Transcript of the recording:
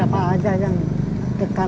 ambil lagi habis kejualan sering dibagikan